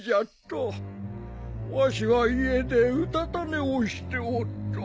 わしは家でうたた寝をしておった。